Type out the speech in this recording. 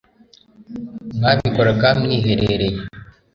mwabikoraga mwiherereye